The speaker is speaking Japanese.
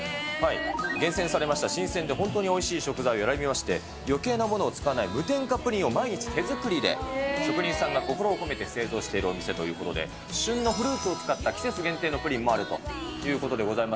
厳選されました新鮮で本当においしい食材を選びまして、余計なものを使わない無添加プリンを毎日手作りで職人さんが心を込めて製造しているお店ということで、旬のフルーツを使った季節限定のプリンもあるということでございます。